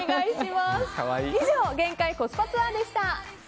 以上、限界コスパツアーでした。